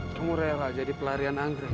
kamu rela jadi pelarian anggrek